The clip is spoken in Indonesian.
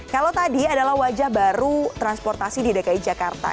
kalau tadi adalah wajah baru transportasi di dki jakarta